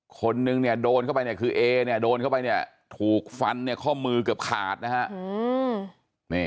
คนนึงเนี่ยโดนเข้าไปเนี่ยคือเอเนี่ยโดนเข้าไปเนี่ยถูกฟันเนี่ยข้อมือเกือบขาดนะฮะ